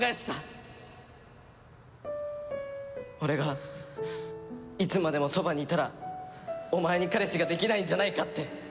俺がいつまでもそばにいたらお前に彼氏ができないんじゃないかって。